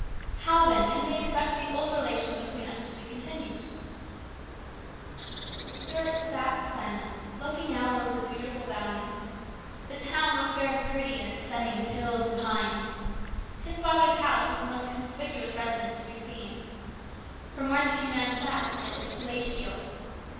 How, then, can we expect the old relation between us to be continued ?" Stuart sat silent, looking out over the beautiful valley. The town looked very pretty in its setting of hills and pines. His father's house was the most conspicuous residence to be seen. From where the two men sat it looked palatial.